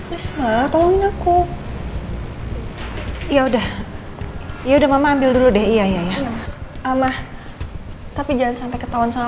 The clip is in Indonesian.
risma tolongnya aku ya udah ya udah mama ambil dulu deh iya ya ya allah tapi jangan sampai ketahuan sama